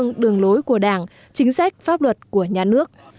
đồng chương đường lối của đảng chính sách pháp luật của nhà nước